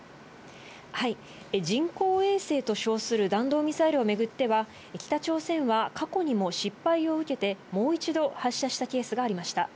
人工衛星と称する弾道ミサイルを巡っては、北朝鮮は過去にも失敗を受けて、もう一度発射したケースがありました。